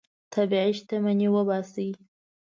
طبیعي شتمني وباسئ.